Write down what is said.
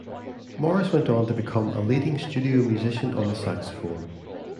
Morris went on to become a leading studio musician on the saxophone.